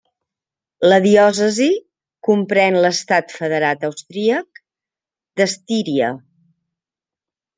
La diòcesi comprèn l'estat federat austríac d'Estíria.